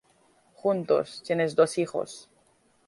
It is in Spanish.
Juntos tienen dos hijos.